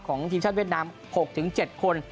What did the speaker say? ทีมชาติเวียดนาม๖๗คน